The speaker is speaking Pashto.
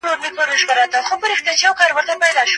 دا شعر مي د پوهنځي په خاطراتو کي ثبت کړ.